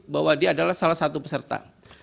bahwa dia adalah salah satu peserta